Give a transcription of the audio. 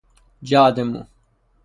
جعد مو